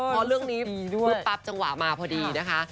เพราะเรื่องนี้เพื่อปรับจังหวะมาพอดีนะฮะ